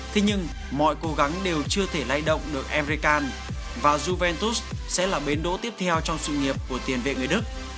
thế nhưng mọi cố gắng đều chưa thể lay động được errecan và juventus sẽ là bến đỗ tiếp theo trong sự nghiệp của tiền vệ người đức